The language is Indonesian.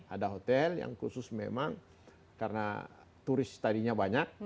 ada hotel yang khusus memang karena turis tadinya banyak